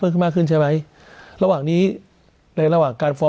เราใส่กันเปิดมือบ้านนะมันก็เป็นได้กันต้องกำลังซื้อ